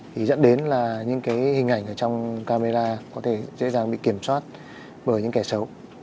thì dẫn đến là những cái hình ảnh ở trong camera có thể dễ dàng bị kiểm soát bởi những kẻ xấu